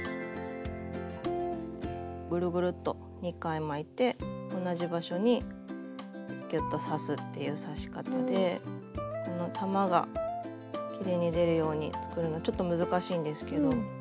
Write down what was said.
ぐるぐるっと２回巻いて同じ場所にぎゅっと刺すっていう刺し方でこの玉がきれいに出るように作るのちょっと難しいんですけど。